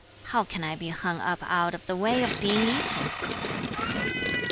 How can I be hung up out of the way of being eaten?'